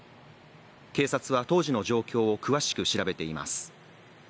警察は当時の状況を詳しく調べています。